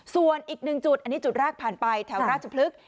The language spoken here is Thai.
ส่วนอีกหนึ่งจุดอันนี้จุดแรกผ่านไปแถวราชพฤกษ